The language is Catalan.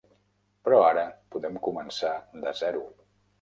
Però ara podem començar de zero.